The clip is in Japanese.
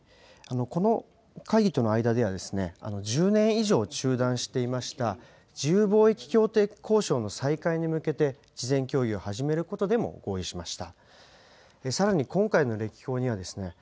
この会議との間ではですね、１０年以上中断していました自由貿易協定交渉の再開に向けて事前協議を始めることで一致しました。